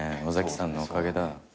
尾崎さんのおかげだ。